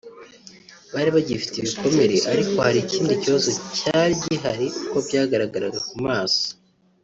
Bari bagifite ibikomere ariko kandi hari ikindi kibazo cyari gihari uko byagaragaraga ku maso